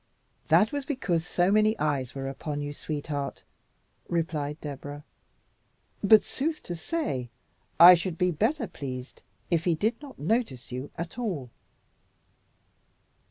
"That was because so many eyes were upon you, sweet heart," replied Deborah; "but sooth to say, I should be better pleased if he did not notice you at all."